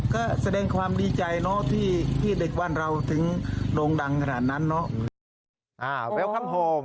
ก็แสดงความดีใจเนอะที่เด็กบ้านเราถึงโด่งดังขนาดนั้นเนาะ